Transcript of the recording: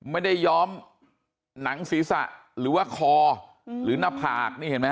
ย้อมหนังศีรษะหรือว่าคอหรือหน้าผากนี่เห็นไหมฮ